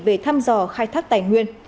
về thăm dò khai thác tài nguyên